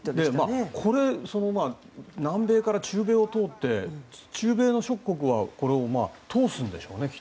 これ、南米から中米を通って中米の諸国は通すんでしょうね。